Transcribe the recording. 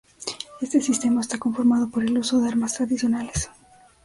Este sistema está conformado por el uso de armas tradicionales.